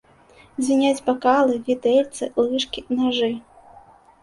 Звіняць бакалы, відэльцы, лыжкі, нажы.